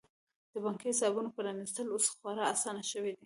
د بانکي حسابونو پرانیستل اوس خورا اسانه شوي دي.